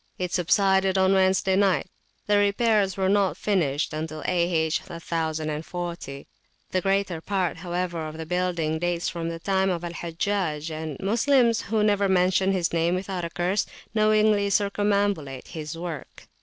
It subsided on Wednesday night. The repairs were not finished till A.H. 1040. The greater part, however, of the building dates from the time of Al Hajjaj; and Moslems, who never mention his name without a curse, knowingly circumambulate his work.